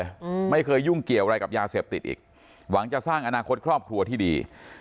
อืมไม่เคยยุ่งเกี่ยวอะไรกับยาเสพติดอีกหวังจะสร้างอนาคตครอบครัวที่ดี